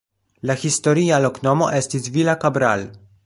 La historia loknomo estis Vila Cabral.